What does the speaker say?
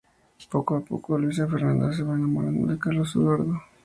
Poco a poco, Luisa Fernanda se va enamorando de Carlos Eduardo.